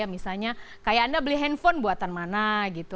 misalnya kayak anda beli handphone buatan mana gitu